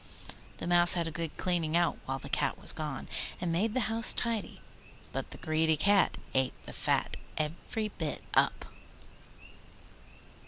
The Mouse had a good cleaning out while the Cat was gone, and made the house tidy; but the greedy Cat ate the fat every bit up.